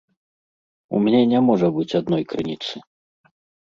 У мяне не можа быць адной крыніцы.